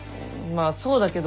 まあそうだけど。